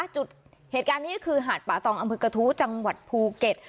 จุดเหตุการณ์นี้คือหาดป่าตองอำเภอกระทู้จังหวัดภูเก็ต